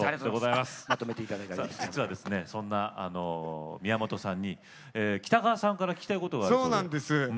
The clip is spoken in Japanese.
そんな宮本さんに北川さんから聞きたいことがあるそうですね。